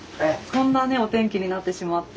こんなねお天気になってしまって。